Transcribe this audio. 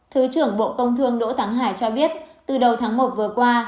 thứ trưởng bộ công thương đỗ thắng hải cho biết từ đầu tháng một vừa qua